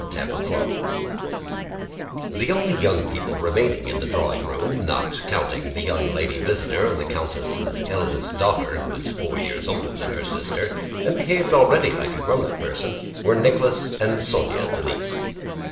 CHAPTER XII The only young people remaining in the drawing room, not counting the young lady visitor and the countess' eldest daughter (who was four years older than her sister and behaved already like a grown up person), were Nicholas and Sónya, the niece.